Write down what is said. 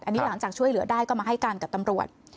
อันนี้หลังจากช่วยเหลือได้ก็มาให้การกับตำรวจ